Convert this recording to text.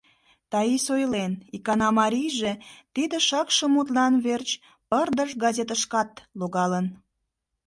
Таис ойлен, икана марийже тиде шакше мутлан верч пырдыж газетышкат логалын.